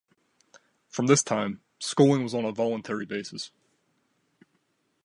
From this time, schooling was on a voluntary basis.